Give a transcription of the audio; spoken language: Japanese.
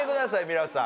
皆さん